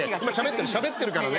しゃべってるからね。